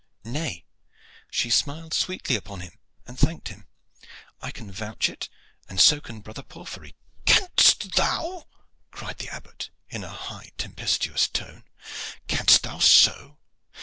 "Nay, she smiled sweetly upon him and thanked him. I can vouch it and so can brother Porphyry." "Canst thou?" cried the Abbot, in a high, tempestuous tone. "Canst thou so?